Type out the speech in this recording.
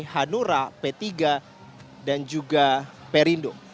hanura p tiga dan juga perindo